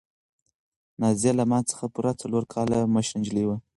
نازیه له ما څخه پوره څلور کاله مشره نجلۍ وه.